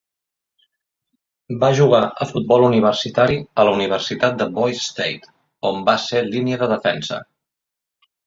Va jugar a futbol universitari a la universitat de Boise State, on va ser línia de defensa.